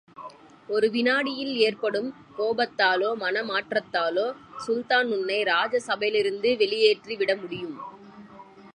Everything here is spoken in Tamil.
ஒரு வினாடியில் ஏற்படும் கோபத்தாலோ மன மாற்றத்தாலோ, சுல்தான் உன்னை ராஜ சபையிலிருந்து வெளியேற்றி விட முடியும்.